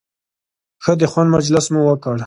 ښه د خوند مجلس مو وکړ.